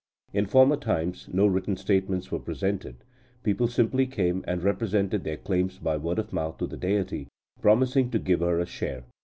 In former times, no written statements were presented; people simply came and represented their claims by word of mouth to the deity, promising to give her a share.